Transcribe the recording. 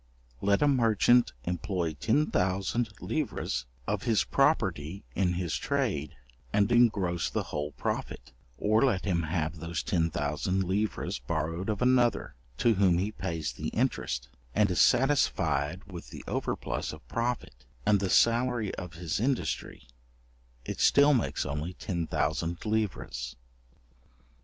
Let a merchant employ 10,000 livres of his property in his trade, and engross the whole profit, or let him have those 10,000 livres borrowed of another, to whom he pays the interest, and is satisfied with the overplus of profit, and the salary of his industry, it still makes only 10,000 livres.